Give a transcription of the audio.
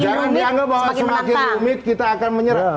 jangan dianggap bahwa semakin rumit kita akan menyerang